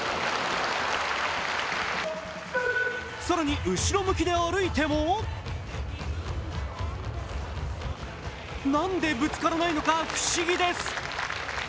更に後ろ向きで歩いてもなんでぶつからないのか不思議です。